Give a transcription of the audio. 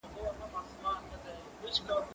زه به انځور ليدلی وي!.